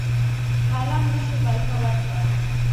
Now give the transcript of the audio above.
هالنډ مشر بلنه ورکړه.